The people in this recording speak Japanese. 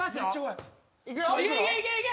いけいけいけいけ！